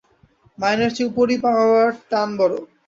মাইনের চেয়ে উপরি-পাওনার টান বড়ো।